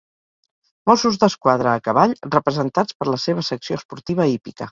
Mossos d'Esquadra a cavall, representats per la seva secció esportiva hípica.